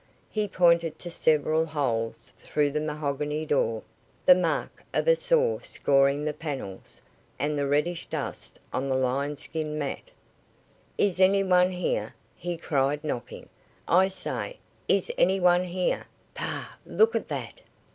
He pointed to several holes through the mahogany door, the mark of a saw scoring the panels, and the reddish dust on the lion skin mat. "Is any one here?" he cried, knocking. "I say! Is any one here? Pah! Look at that!"